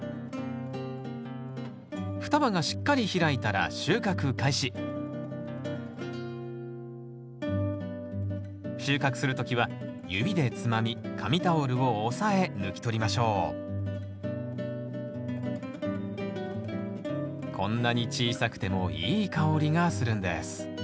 双葉がしっかり開いたら収穫開始収穫する時は指でつまみ紙タオルを押さえ抜き取りましょうこんなに小さくてもいい香りがするんです